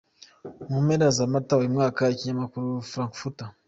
Mu mpera za Mata uyu mwaka, ikinyamakuru Frankfurter.